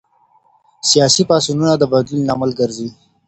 سياسي پاڅونونه د بدلون لامل ګرځي.